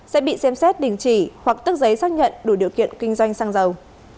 sẽ bị xem xét đình chỉ hoặc tức giấy xác nhận đủ điều kiện kinh doanh xăng dầu